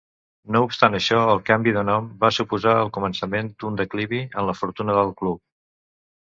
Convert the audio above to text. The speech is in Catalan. No obstant això, el canvi de nom va suposar el començament d'un declivi en la fortuna del club.